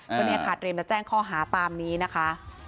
ตัวนี้อาคารเตรียมจะแจ้งข้อหาตามนี้นะคะ